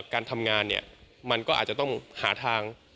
การทำงานเนี่ยมันก็อาจจะต้องหาทาง